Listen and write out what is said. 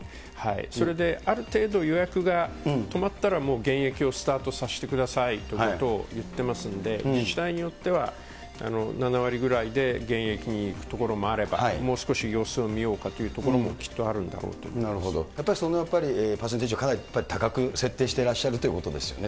それである程度、予約が止まったら、もう現役をスタートさせてくださいということを言ってますんで、自治体によっては、７割ぐらいで現役にいく所もあれば、もう少し様子を見ようかというところもきっとあるんだろうと思いなるほど、やっぱりパーセンテージを高く設定してらっしゃるということですよね。